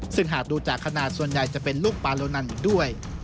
ซึ่งหากดูจากขนาดส่วนใหญ่จะเป็นลูกปาโลนันอีกด้วย